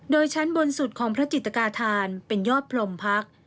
โดยชั้นบนสุดของพระจิตกาธานเป็นยอดพรมพัก